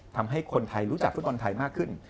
ทำให้คนไทยรู้จักฟุตบอลไทยมากขึ้น